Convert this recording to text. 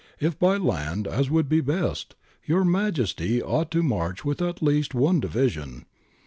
If by land, as would be best. Your Majesty ought to march with at least one division.